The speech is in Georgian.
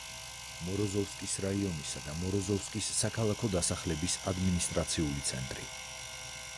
მოროზოვსკის რაიონისა და მოროზოვსკის საქალაქო დასახლების ადმინისტრაციული ცენტრი.